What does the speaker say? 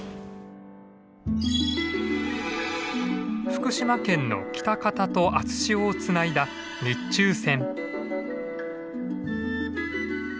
福島県の喜多方と熱塩をつないだ日中線。